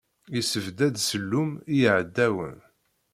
Issebdad ssellum i yiɛdawen.